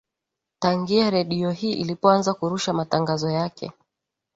tangia redio hii ilipoanza kurusha matangazo yake